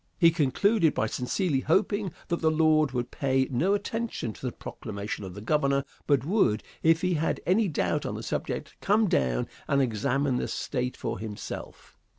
He concluded by sincerely hoping that the Lord would pay no attention to the proclamation of the Governor, but would, if he had any doubt on the subject, come down and examine the State for himself.